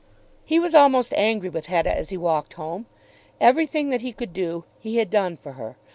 He was almost angry with Hetta as he walked home. Everything that he could do he had done for her.